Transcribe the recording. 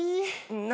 何？